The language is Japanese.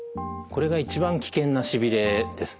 これが一番危険なしびれです。